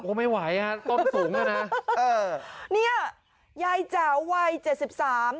ก็ไม่ไหวฮะต้นสูงอ่ะนะเออเนี้ยยายแจ๋ววัยเจ็ดสิบสาม